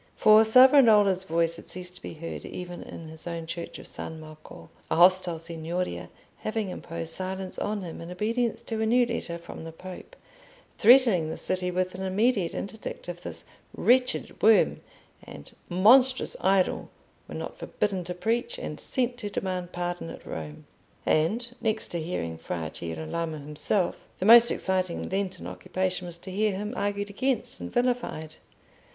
For Savonarola's voice had ceased to be heard even in his own church of San Marco, a hostile Signoria having imposed silence on him in obedience to a new letter from the Pope, threatening the city with an immediate interdict if this "wretched worm" and "monstrous idol" were not forbidden to preach, and sent to demand pardon at Rome. And next to hearing Fra Girolamo himself, the most exciting Lenten occupation was to hear him argued against and vilified.